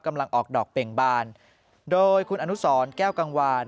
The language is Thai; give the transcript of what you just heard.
กำลังออกดอกเบ่งบานโดยคุณอนุสรแก้วกังวาน